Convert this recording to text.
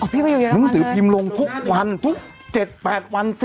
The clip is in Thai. มึงสือพิมพ์ลงทุกวัน